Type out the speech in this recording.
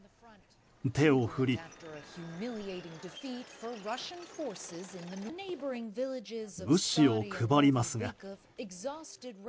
手を振り、物資を配りますが。